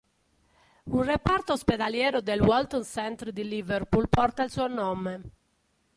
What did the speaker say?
Un reparto ospedaliero del Walton Centre di Liverpool porta il suo nome.